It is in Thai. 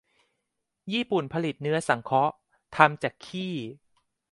ญี่ปุ่นผลิตเนื้อสังเคราะห์ ทำจากขี้